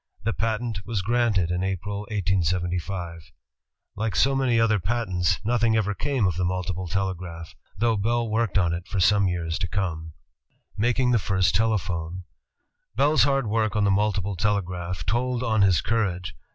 The patent was granted in April, 1875. ^^^^ many other patents, nothing ever came of the multiple telegraph, though Bell worked on it for some years to come. Making the First Telephone Bell's hard work on the multiple telegraph told on his courage.